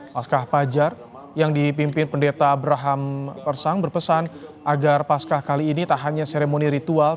pascah pajar yang dipimpin pendeta abraham persang berpesan agar paskah kali ini tak hanya seremoni ritual